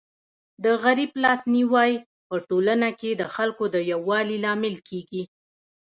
د غریب لاس نیوی په ټولنه کي د خلکو د یووالي لامل کيږي.